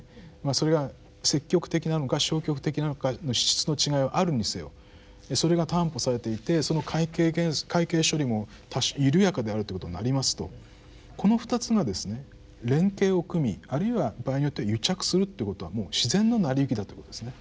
それが積極的なのか消極的なのかの質の違いはあるにせよそれが担保されていてその会計処理も緩やかであるということになりますとこの２つがですね連携を組みあるいは場合によっては癒着するっていうことはもう自然の成り行きだということですね。